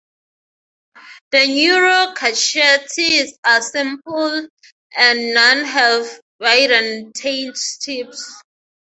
The neurochaetae are simple and none have bidentate tips.